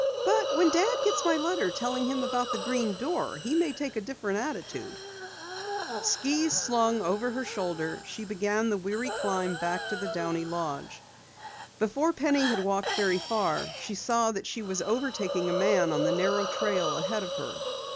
"But when Dad gets my letter telling him about the Green Door he may take a different attitude!" Skis slung over her shoulder, she began the weary climb back to the Downey lodge. Before Penny had walked very far she saw that she was overtaking a man on the narrow trail ahead of her.